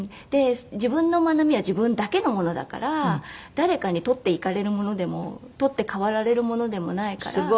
自分の学びは自分だけのものだから誰かに取っていかれるものでも取って代わられるものでもないから。